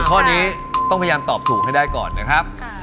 ข้อนี้ต้องพยายามตอบถูกให้ได้ก่อนนะครับ